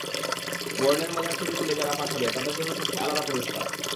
বর্ণের মজার ছবি তুলে যারা পাঠাবে, তাদের জন্য থাকছে আলাদা পুরস্কার।